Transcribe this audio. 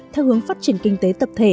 theo hướng phát triển kinh tế tập thể